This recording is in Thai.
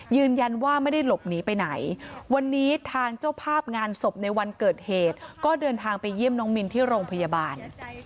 ยืนยันว่าไม่ได้หลบหนีไปไหนวันนี้ทางเจ้าภาพงานศพในวันเกิดเหตุก็เดินทางไปเยี่ยมน้องมินที่โรงพยาบาล